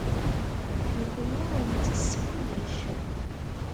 Nekkni nettess kullec.